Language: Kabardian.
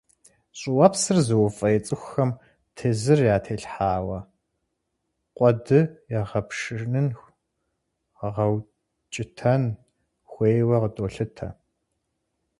Щӏыуэпсыр зыуфӏей цӏыхухэм тезыр ятелъхьауэ, къуэды егъэпшынын, гъэукӏытэн хуейуэ къыдолъытэ.